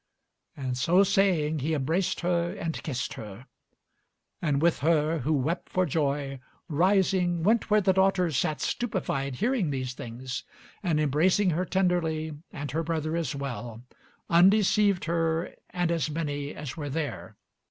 And so saying he embraced her and kissed her, and with her, who wept for joy, rising, went where the daughter sat stupefied, hearing these things; and, embracing her tenderly and her brother as well, undeceived her and as many as were there.